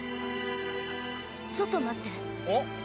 ちょっと待って。